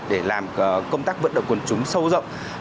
để làm công tác vận động quần chúng sâu rộng